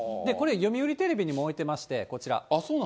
これ、読売テレビにも置いてまして、こちら。